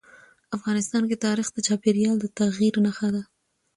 افغانستان کې تاریخ د چاپېریال د تغیر نښه ده.